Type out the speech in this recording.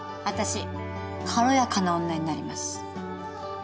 私軽やかな女になります。